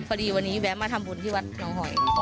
พอดีวันนี้แวะมาทำบุญที่วัดน้องหอย